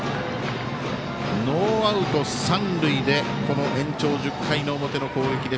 ノーアウト三塁でこの延長１０回表の攻撃。